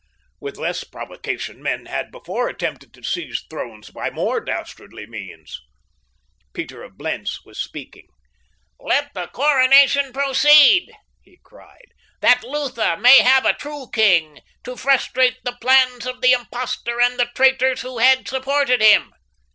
With less provocation men had before attempted to seize thrones by more dastardly means. Peter of Blentz was speaking. "Let the coronation proceed," he cried, "that Lutha may have a true king to frustrate the plans of the impostor and the traitors who had supported him."